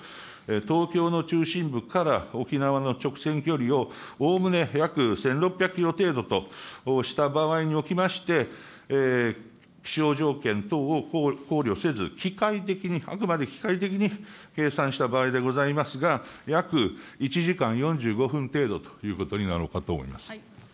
東京の中心部から沖縄の直線距離を、おおむね約１６００キロ程度とした場合におきまして、気象条件等を考慮せず、機械的にあくまで機械的に、計算した場合でございますが、約１時間４５分程度ということになろうかと思います。